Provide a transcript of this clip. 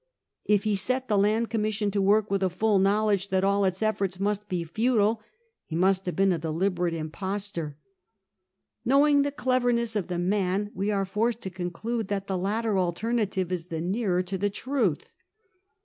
If he set the Land Commission to work with a full knowledge that all its efforts must be futile, he must have been a deliberate impostor. Knowing the cleverness of the man, we are forced to conclude that the latter alternative is the nearer to the truth.